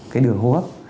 cái đường hô hấp